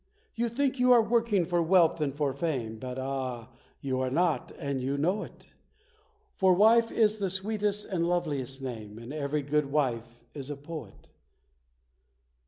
You think you are working for wealth and for fame, But ah, you are not, and you know it ; For wife is the sweetest and loveliest name, And every good wife is a poet